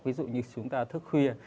ví dụ như chúng ta thức khuya